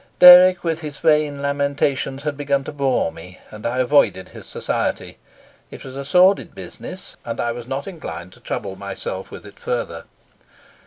Dirk, with his vain lamentations, had begun to bore me, and I avoided his society. It was a sordid business, and I was not inclined to trouble myself with it further.